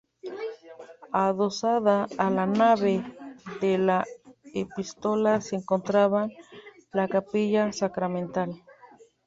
Adosada a la nave de la Epístola se encontraba la Capilla Sacramental.